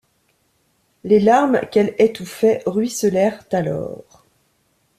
Les larmes qu’elle étouffait ruisselèrent alors.